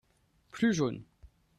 Plus jaune.